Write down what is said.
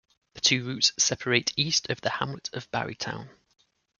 The two routes separate east of the hamlet of Barrytown.